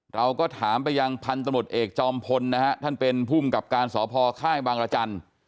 เราก็ถามไปยังพันธุ์ตำรวจเอกจอมพลนะฮะท่านเป็นภูมิกับการสพค่ายบางรจันทร์